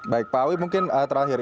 baik pak awi mungkin terakhir